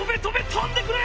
とんでくれ！